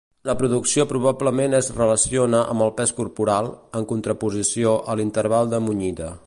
La producció probablement es relaciona amb el pes corporal, en contraposició a l'interval de munyida.